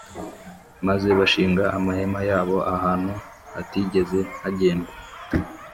maze bashinga amahema yabo ahantu hatigeze hagendwa;